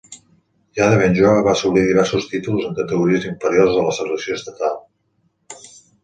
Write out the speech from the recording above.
Ja de ben jove va assolir diversos títols en categories inferiors de la selecció estatal.